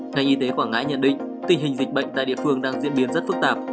ngành y tế quảng ngãi nhận định tình hình dịch bệnh tại địa phương đang diễn biến rất phức tạp